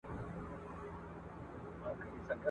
چي په ښار کي پاته پیر او تعویذګروي !.